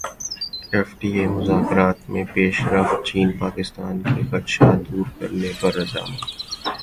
F T A مذاکرات میں پیش رفت چین پاکستان کے خدشات دور کرنے پر رضامند